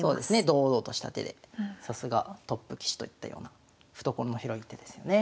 堂々とした手でさすがトップ棋士といったような懐の広い一手ですよね。